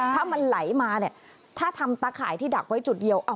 ถ้ามันไหลมาเนี่ยถ้าทำตาข่ายที่ดักไว้จุดเดียว